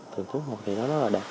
từng chút một thì nó rất là đẹp